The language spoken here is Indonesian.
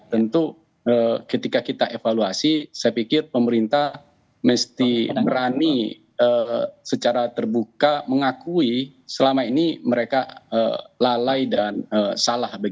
tentu ketika kita evaluasi saya pikir pemerintah mesti berani secara terbuka mengakui selama ini mereka lalai dan salah